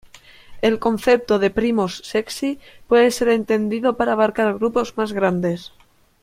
El concepto de primos sexy puede ser extendido para abarcar grupos más grandes.